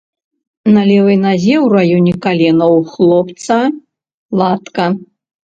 На левай назе ў раёне калена ў хлопца латка.